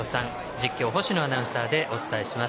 実況は星野圭介アナウンサーでお伝えします。